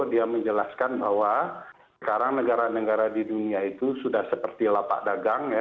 dia menjelaskan bahwa sekarang negara negara di dunia itu sudah seperti lapak dagang ya